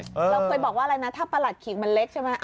เราเคยบอกว่าอะไรนะถ้าประหลัดขีกมันเล็กใช่ไหม